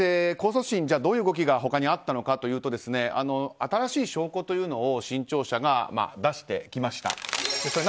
そして控訴審どういう動きがあったのかというと新しい証拠を新潮社側が出してきました。